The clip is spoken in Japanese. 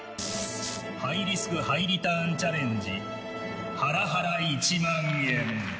ハイリスクハイリターンチャレンジハラハラ１万円。